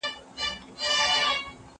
زه مخکي کښېناستل کړي وو،